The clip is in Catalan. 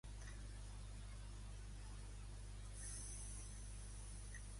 Podem recobrar la lectura de l'audiollibre "Entre el cel i la terra" al dormitori?